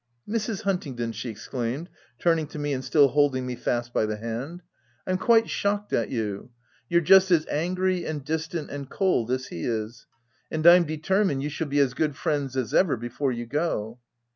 " Mrs. Huntingdon," she exclaimed, turning to me and still holding me fast by the hand, OP WILDFELL HALL. 349 " Pm quite shocked at you — you're just as angry, and distant, and cold as he is : and I'm determined you shall be as good friends as ever, before you go."